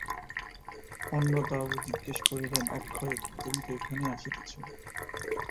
অন্নদাবাবু জিজ্ঞাসা করিলেন, অক্ষয়, তুমি তো এইখানেই আসিতেছ?